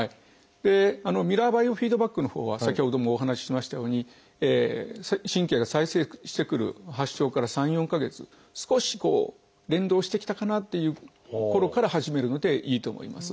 ミラーバイオフィードバックのほうは先ほどもお話ししましたように神経が再生してくる発症から３４か月少し連動してきたかなっていうころから始めるのでいいと思います。